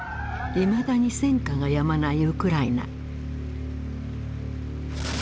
いまだに戦火がやまないウクライナ。